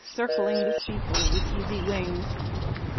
Circling the steeple with easy wings.